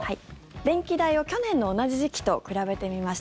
電気代を去年の同じ時期と比べてみました。